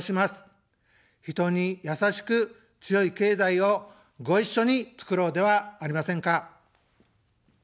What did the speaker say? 人に「やさしく強い経済」をご一緒につくろうではありませんか。